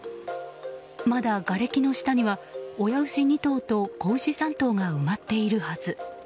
まだがれきの下には親牛２頭と子牛３頭が埋まっているはず。